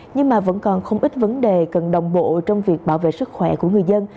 nhưng mà vẫn còn không ít vấn đề cần đồng bộ trong việc bảo vệ sức khỏe của người dân